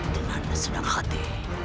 tidak ada senang hati